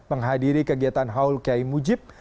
menghadiri kegiatan haul k i m u j i p